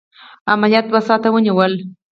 عملیات دوه ساعته ونیول.